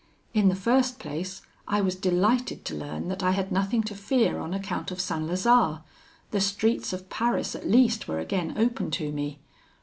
In the first place, I was delighted to learn that I had nothing to fear on account of St. Lazare the streets of Paris at least were again open to me.